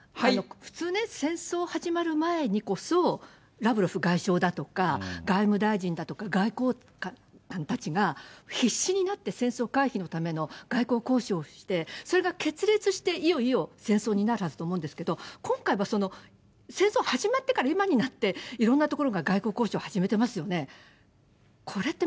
普通ね、戦争始まる前にこそ、ラブロフ外相だとか、外務大臣だとか、外交官たちが必死になって、戦争回避のための外交交渉をして、それが決裂して、いよいよ戦争になるはずだと思うんですけど、今回はその戦争始まってから今になって、いろんなところが外交交渉を始めてますよね。